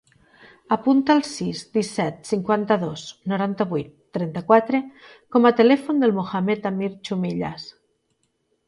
Apunta el sis, disset, cinquanta-dos, noranta-vuit, trenta-quatre com a telèfon del Mohamed amir Chumillas.